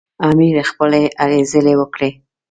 امیر خپلې هلې ځلې وکړې.